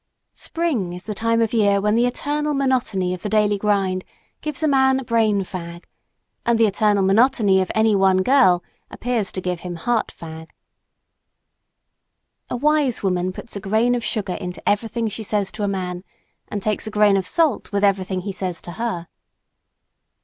Spring is the time of the year when the eternal monotony of the daily grind gives a man brain fag and the eternal monotony of any one girl appears to give him heart fag. A wise woman puts a grain of sugar into everything she says to a man and takes a grain of salt with everything he says to her.